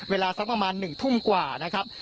เวลาสักประมาณ๑ทุ่มกว่านะครับ